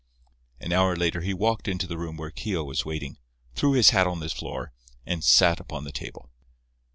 An hour later he walked into the room where Keogh was waiting, threw his hat on the floor, and sat upon the table.